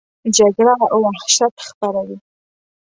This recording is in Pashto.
جګړه وحشت خپروي